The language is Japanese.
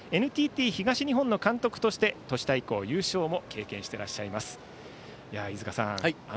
ＮＴＴ東日本監督として都市対抗野球優勝も経験していらっしゃいます。